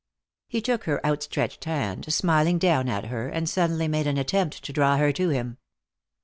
He took her outstretched hand, smiling down at her, and suddenly made an attempt to draw her to him.